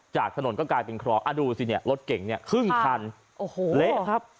จากถนนก็กลายเป็นคลองดูสิเนี่ยรถเก่งเนี่ยครึ่งคันโอ้โหเละครับ